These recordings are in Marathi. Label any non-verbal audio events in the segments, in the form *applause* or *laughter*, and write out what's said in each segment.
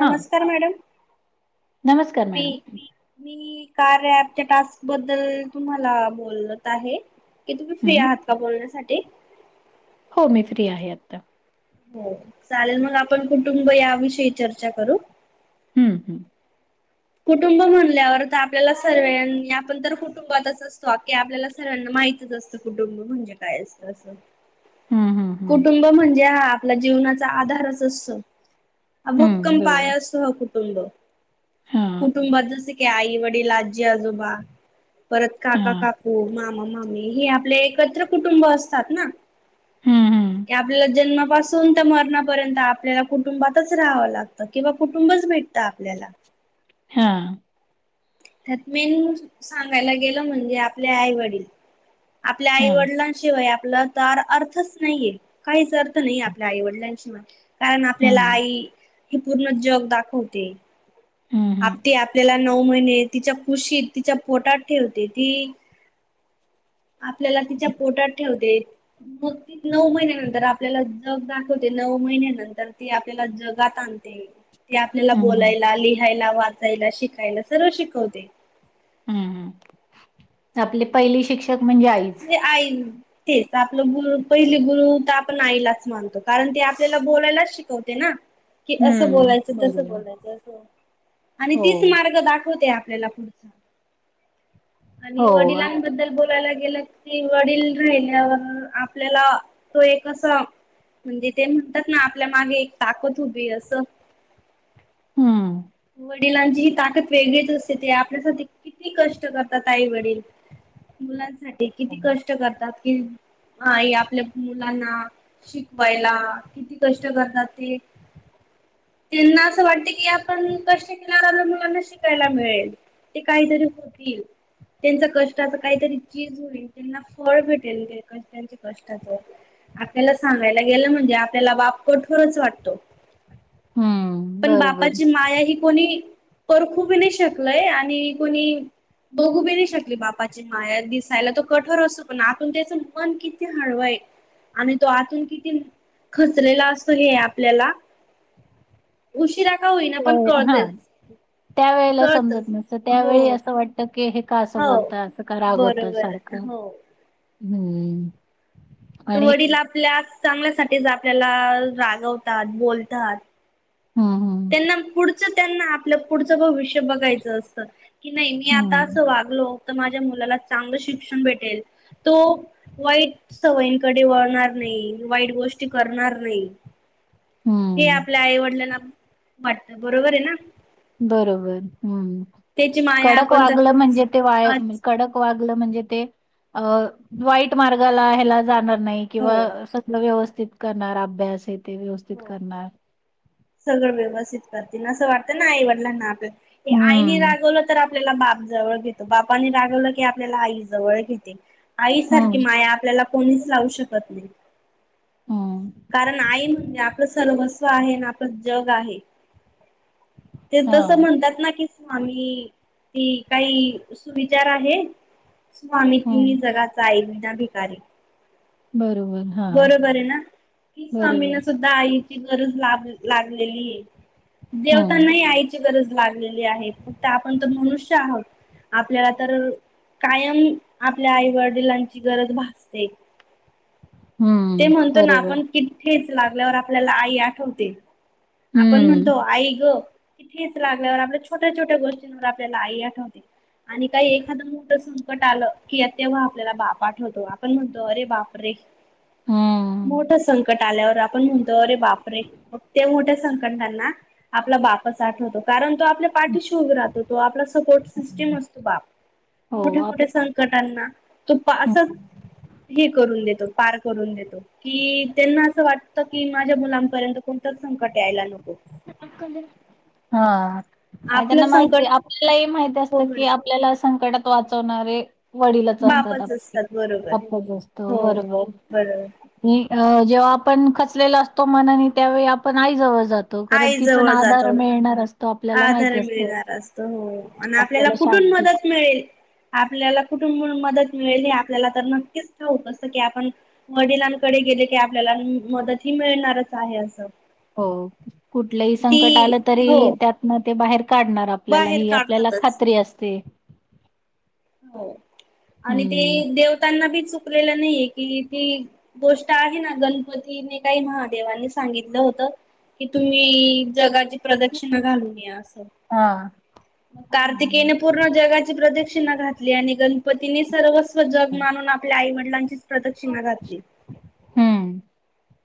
हा मॅडम. नमस्कार मी मॅडम मी. का रॅपच्या टास्क बद्दल तुम्हाला बोलत आहे. की तुम्ही फ्री हं आहात का बोलण्यासाठी? हो मी फ्री आहे आता. हो चालेल मग आपण कुटुंब या विषयी चर्चा करू. हम्म हम्म. कुटुंब म्हणल्यावर तर आपल्याला सर्व्यांनी आपण तर कुटुंबातच असतो की आपल्याला सर्व्यांना माहितच असतं कुटुंब म्हणजे काय असतं असं. हं हं हं कुटुंब म्हणजे हा आपल्या जीवनाचा आधारच असतो. हा हं भक्कम बरोबर पाया असतो हा कुटुंब. हां कुटुंबात जस आई, वडील, आजी, आजोबा परत काका, हां काकू, मामा मामा हे आपले एकत्र कुटुंब असतात ना? हम. क आपल्याला जन्मापासून त्या मरणापर्यंत आपल्याला कुटुंबातच राहावं लागतं. किंवा कुटुंब भेट आपल्याला. हा. त्यातमेन सांगायला गेलं म्हणजे आपले आई वडील. आपल्या आई हां वडिलांशिवाय आपलं तर अर्थच नाहीये. काहीच अर्थ नाही आपल्या आईवडिलांशी कारण हं आपल्याला आई हे पूर्ण जग दाखवते हं आप हं ते आपल्याला नऊ महिने तिच्या कुशीत तिच्या पोटात ठेवते ती आपल्याला तिच्या पोटात ठेवते. मग ती नऊ महिन्यानंतर आपल्याला जग दाखवते. नऊ महिन्या नंतर ती आपल्याला जगात आणते. ते आपल्याला हं हं हं बोलायला, लिहायला, वाचायला, शिकायला सर्व शिकवते. हम्म हम् आपले पहिली शिक्षक म्हणजे आईच. म्हणजे आई तेच आपलं गुरु पहिले गुरु तर आपण आईलाच मानतो कारण ते आपल्याला बोलायलाच शिकवते ना? कि असं हं बोलायचं तसं बरोबर बोलायचं असं आणि हो तीच मार्ग दाखवते. पुढ आणि हो वडिलांबद्दल बोलायला गेलं वडील राहिल्यावर आपल्याला तो एक म्हणजे ते म्हणतात ना आपल्या मागे एक ताकद उभी असं. हम्म. वडिलांची ही ताकद वेगळीच असते. ते आपल्यासाठी किती कष्ट करतात आई वडील. मुलांसाठी किती कष्ट करतात. कि आ आपल्या मुलांना शिकवायला किती कष्ट करतात ते. त्यांना असं वाटत की आपण कष्ट केणार आ ना शिकायला मिळेल. ते काहीतरी होतील. त्यांचा कष्टाच काहीतरी चीज होईल त्यांना फळ भेटेल. ते कष्ट त्यांच्या कष्टाचं. आपल्याला सांगायला गेलं म्हणजे आपल्याला बाप कठोरच वाटतो. हम्म पण बरोबर. बापाची माया ही कोणी परखूब बी नाही शकलय आणि कोणी बघू बी नाही शकली बापाची माया. दिसायला तो कठोर असतो पण आतून त्याच मन किती हळवाय. आणि तो आतून किती खचलेला असतो हे आपल्याला उशिरा. का होईना पण हा कळतच. त्यावेळेला कळतच समजत नसत. हो त्यावेळी असं वाटत की हे का असं हो बोलत? असं का रागवता बरोबर सारखं हो हम्म. तर वडील आपल्या चांगल्यासाठीच आपल्याला रागवतात बोलतात. हं हं त्यांना पुढचं त्यांना आपलं पुढचं भविष्य बघायचं असतं. की नाही मी आता हं, असं वागलो तर माझ्या मुलाला चांगलं शिक्षण भेटेल‌ तो वाईट सवयींकडे वळणार नाही वाईट गोष्टी करणार नाही. हे हं. आपल्या आईवडिलांना वाटतं बरोबर आहे ना बरोबर हम्म त्याची माया कडक आपण वागलं म्हणजे तस ते वा कडक वाग वागलं म्हणजे ते अ वाईट मार्गाला ह्याला जाणार नाही हो किंवा सगळं व्यवस्थित व्यस्थित करणार अभ्यास आहे ते व्यवस्थित हो करणार सगळं व्यवस्थित करतील ना असं वाटतं ना आईवडिलांना आपल्या की आईनी हं, रागवलं तर आपल्याला माफ जवळ घेतो बापानी रागवलं की आपल्याला आई जवळ घेते. आईसारखी हं, माया आपल्याला कोणीच लावू शकत नाही. हं. कारण आई म्हणजे आपलं सर्वस्व आहे आणि आपलं जग आहे. ते तसं हां, म्हणतात ना की स्वामी ती काही सुविचार आहे. स्वामी हं. तिन्ही जगाचा आई विना भिकारी बरोबर. हां, बरोबर आहे ना की स्वामींना बरोबर. सुद्धा आई ची गरज ला लागलेली आहे हं, देेवतांना ही आईची गरज लागलेली आहे फक्त आपण तर मनुष्य आहोत आपल्याला तर कायम आपल्या आई वडिलांची गरज भासते. ते हं. म्हणतो ना बरोबर. आपण किे लागल्यावर आपल्याला आई आठवते आपण हं, म्हणतो आई ग तिथेच लागल्यावर आपल्या छोट्या छोट्या गोष्टींवर आपल्याला आई आठवते. आणि काही एखादं मोठ संकट ट आलं कि तेव्हा आपल्याला बाप आठवतो आपण म्हणतो अरे बाप रे हं. मोठं संकट आल्यावर आपण म्हणतो अरे बापरे मग ते मोठ्या संकट संकटांना आपला बापच आठवतो कारण तो आपल्या पाठीशी उभा राहतो तो आपला सपोर्ट सिस्टम असतो बाप हो, मोठ्या आपलं मोठ्या संकटांना तो असच हे करून देतो पार करून देतो की त्यांना असं वाटत की माझ्या मुलांपर्यंत कोणतच संकट यायला नको हा आणि त्यांना आपलं माहितीये संकट आपल्यालाही माहिती हो असतं की आपल्याला संकटात वाचवणारे वडिलच असतात बापच आपले असतात बरोबर हो आपल्याबरोबर बरोबर अ जेव्हा आपण खचलेला असतो मनाने त्यावेळी आपण आई जवळ जातो. कारण आई तिथून जवळ जातो आधार मिळणार असतो आपल्याला माहिती आदर असतं मिळणार असतो हो आणि आपल्याला कुठून कुठून मदत मिळेल आपल्याला कुठून कुठून मदत आपल्याला तर नक्कीच ठाऊक असत की आपण वडिलांकडे गेले की आपल्याला मदती मिळणारच आहे असं हो कुठलंही संकट ती आलं तरी हो त्यातन ते बाहेर काढणार आपल्याला बाहेर ही आपल्याला काढतातच खात्री असते. हो आणि ते हम्म देवतांना बी चुक लेलं नाहीये कि ती गोष्ट आहे ना गणपतीने काही महादेवांनी सांगितलं होत. कि तुम्ही जगाची प्रदक्षिणा घालून या असं हा कार्तिकेयने पूर्ण जगाची प्रदक्षिणा घातली आणि गणपतीने सर्व जग मानून आपल्या आई वडिलांचीच प्रदक्षिणा घातली.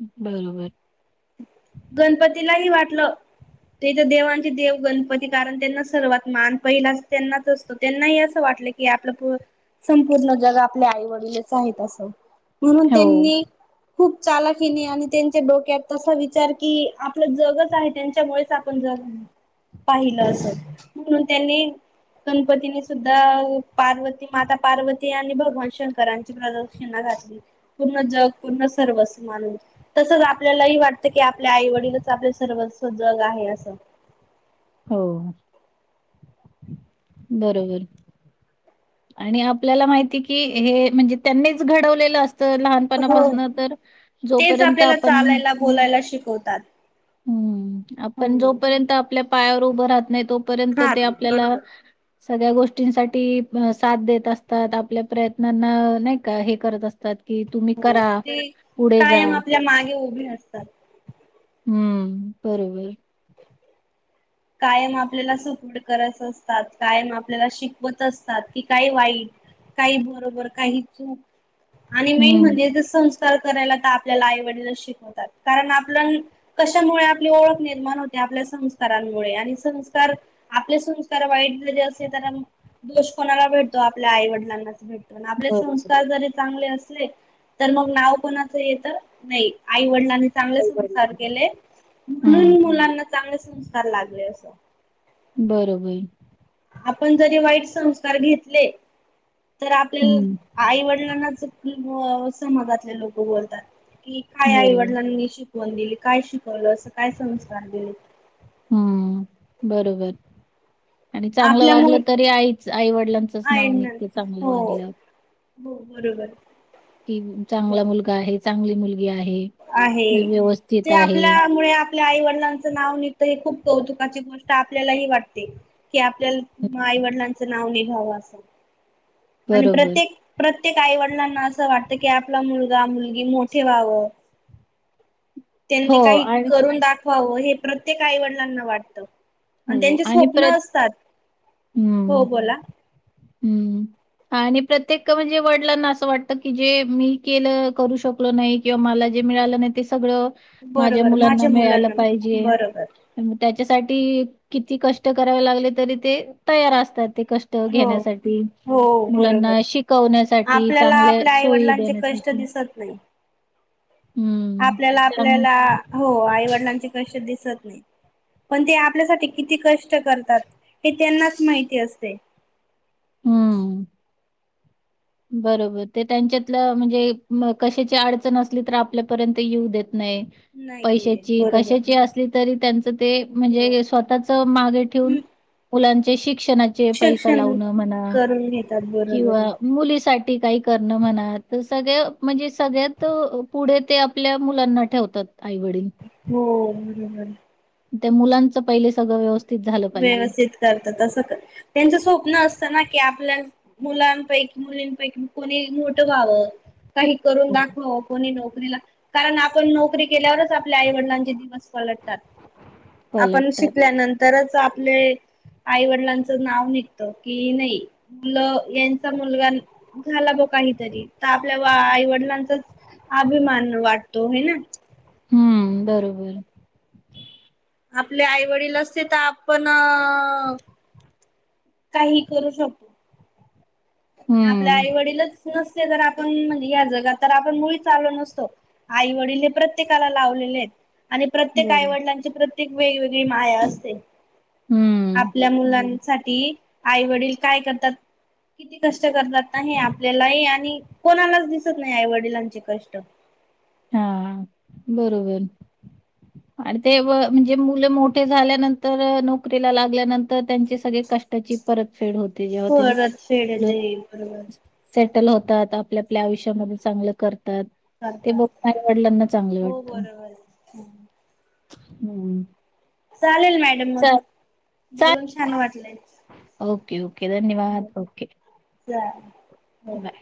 बरोबर बरोबर गणपतीलाही वाटलं ते तर देवांचे देव गणपती कारण त्यांना सर्वात मान पहिला त्यांनाच असतो त्यांनाही असं वाटत वाटत की आपलं संपूर्ण जग आपल्या आई वडीलच आहेत असं म्हणून हो त्यांनी खूप चालाखिनी आणि त्यांच्या डोक्यानी तस विचार की आपलं जगच आहे की त्यांच्यामुळेच आपण जगतोय पाहिलं असेल म्हणून त्यांनी गणपतीनी सुद्धा पार्वती माता पार्वती आणि भगवान शंकरांची प्रदर्शना पूर्ण जग पूर्ण सर्वस्व मानलय तस आप आपल्यालाही वाटतं की आपल्या आई वडीलच आपले सर्वस्व जग आहे असं हो अ बरो ओ बर आणि आपल्याला माहिती हे की म्हणजे त्यांनीच घडवलेलं असत तर हा लहानपणापासून तर तेच जोपर्यंत आपल्याला आपण चालायला बोलायला शिकवतात. हम्म हो आपण जोपर्यंत आपल्या पायावर उभं राहत नाही तोपर्यंत तोपर्यंत राहत ते आपल्याला ना बरोबर. सगळ्यां गोष्टींसाठी भाऊ साथ देत असतात आपल्या प्रयत्नांना नाही का हे करत असतात की तुम्ही हो करा, ते आई वडील पुढे जा. कायम आपल्या मागे उभे असतात हम्म ते बरोबर कायम आपल्याला सपोर्ट करत असतात कायम आपल्याला शिकवत असतात कि काय वाईट होते काही बरोबर काही चूक आणि मेन हं, म्हणजे जस संस्कृती करा करायला ते आपल्याला आईवडील शिकवतात कारण आपल्याला कशामुळे आपली ओळख निर्माण होते आपले संस्कार काही वेळा आपले संस्कार वाईट जे असले तर दोष कोणाला भेटतात आपल्या आई वडिलांचा भेट पण आपले बरोबर. संस्कार जरी चांगले असले तर मग नाव कोणाच येत नाही आईच वडिलानी चांगले काही गरज संस्कार नाही. केले हं, म्हणून मुलांना चांगले संस्कार एस सर बारावी आपण जरी वाईट संस्कार घेतले तर हं, आपल्या आईवडिलांनाच कि मग समाजातील लोक बोलतात की काय बरोबर. आईवडिलांनी शिकवण दिली काय शिकवलं मुलाना असं काय संस्कार दिले बर बाई आणि चांगलं आपल्यामुळे वागलं तरी आईच आई वडिलांचंच आहे नाव निघत चांगलं हो वागल्यावर हो रविवार कि चांगला मुलगा आहे चांगली मुलगी वेळ आहे आहे. नी व्यवस्थित ते आहे आपल्यामुळे आपल्या आई वडिलांच नाव निघत हे खूप कौतुकाची गोष्ट आपल्यालाही वाटते कि आपल्याला आई वडिलांच नाव निघाव की असं आणि बरोबर. प्रत्येक प्रत्येक आई वडिलांना असाव की आपला मुलगा मुलगी मोठे व्हावं व त्यांनी हो काही तरी आणि करून दाखवावं हे प्रत्येक आईवडिलांना वाटतं आणि हो त्यांची प्रत स्वप्न असतात हो बोला हम्म म हा आणि प्रत्येक म्हणजे वडिलांना असं वाटत की जे मी केलं करू शकलो नाही किंवा मला जे जमल नाही जे मिळाले नाही ते सगळ माझ्या बरोबर मुलांना मिळाल म्हण पाहिजे बरोबर हम् त्याच्यासाठी की किती कष्ट करावे लागले तरी ते तयार असतात ते कष्ट हो घेण्यासाठी हो बरोबर मुलांना शिकवण्यासाठी चांगल्या सोयी देण्यासाठी ते कधीच करत नाही हं. आपल्याला चांग आपल्याला आईवडीलाची तसे दिसत नाही पण ते आपल्यासाठी किती कष्ट करतात हे त्यांनाच माहिती असते हम्म मम बरोबर ते त्यांच्यातलं म्हणजे न कशाची अडचण असली तर आपल्यापर्यंत येऊ देत नाही नाही येऊ दे पैशांची बरोबर कशाची असली तरी त्यांच ते हो म्हणजे स्वतःच मागे ठेऊन मुलांचे शिक्षणाचे पैसा लावून. शिक्षण कामना म्हणा करून घेतात बरोबर किंवा आहे मुलीसाठी काही करण म्हणा तस. सगळ म्हणजे सगळ्यात पुढे ते आपल्या मुलांना ठेवतात आईवडील. ह *unintelligible* त्या मुलांच पहिले सगळ व्यवस. व्यवस्थित करता तस तर त्यांच स्वप्न असत ना की आपल्या मुलांपैकी मुलींपैकी कोणी मोठं व्हाव. काही करून हो. दाखवाव कोणी नोकरीला कारण आपण नोकरी केल्यावरच आपल्या आई वडिलांचे दिवस. पलटात आपण पलटतात. शिकल्यानंतरच आपले. ‌ आई वडिलांचं नाव निघत की नाही मुल यांचा मुलगा झाला बघ. काहीतरी त आपल्या आईवडिलांचाच अभिमान वाटतो हिय ना. हम्म बरोबर आपले आई वडील असते तर आपण अ. ‍‌‍ काही करू शकू. आपल्या हम्म. आई वडीलच नसते त आपण म्हणे या जगात तर आपण मुळीच आलो नसतो आई वडील हे प्रत्येकाला लावले. लावलेत आणि प्रत्येक बरं. आईवडिलांची प्रत्येक वेगवेगळी माया असते. हम्म. आपल्या बरं. मुलांसाठी आईवडील काय करतात? किती कष्ट करतात नाही आपल्यालाही आणि कोणालाच दिसत नाही आई वडिलांचे कष्ट. हा बरोबर आणि ते व म्हणजे मुल मोठे झाल्यानंतर नोकरीला लागल्यानंतर त्यांचे सगळे. कष्टाची परतफेड होते जेव्हा ते. परत फेड येते बरोबर सेटल होतात आपल्या आपल्या आयुष्यामध्ये चांगल करतात ते करतात बघ आईवडिलांना चांगले हो वाटत बरोबर हम्म्. चालेल मॅडम मग चा बोलून छान वाटलय. ओके ओके धन्यवाद ओके. ह *unintelligible* नाय.